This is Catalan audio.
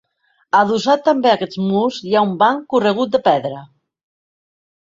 Adossat també a aquests murs hi ha un banc corregut de pedra.